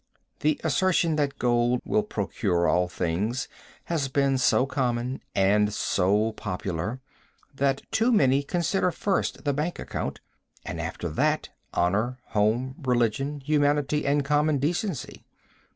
The assertion that gold will procure all things has been so common and so popular that too many consider first the bank account, and after that honor, home, religion, humanity and common decency.